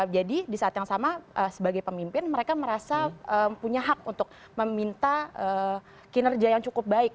jadi di saat yang sama sebagai pemimpin mereka merasa punya hak untuk meminta kinerja yang cukup baik